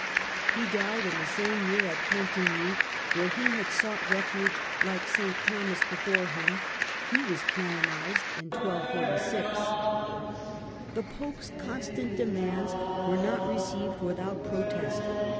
He died in the same year at Pontigny, where he had sought refuge like S. Thomas before him. He was canonized in 1246. The pope's constant demands were not received without protest.